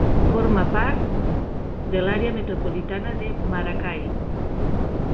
Forma part de l'àrea metropolitana de Maracay.